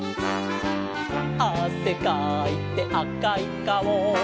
「あせかいてあかいかお」